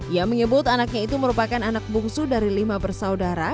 ia menyebut anaknya itu merupakan anak bungsu dari lima bersaudara